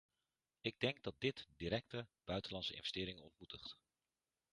Ik denk dat dit directe buitenlandse investeringen ontmoedigt.